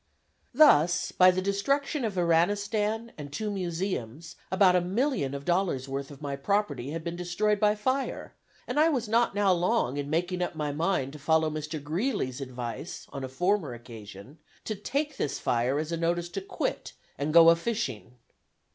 Thus by the destruction of Iranistan, and two Museums, about a million of dollars' worth of my property had been destroyed by fire, and I was not now long in making up my mind to follow Mr. Greeley's advice on a former occasion, to "take this fire as a notice to quit, and go a fishing."